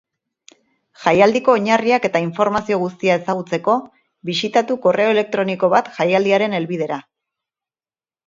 Jaialdiko oinarriak eta informazio guztia ezagutzeko, bisitatu korreo elektroniko bat jaialdiaren helbidera.